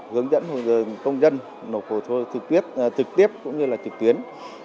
hướng dẫn hồ sơ công dân nộp hồ sơ thực tiết cũng như là trực tuyến